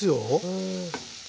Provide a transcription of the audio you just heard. へえ。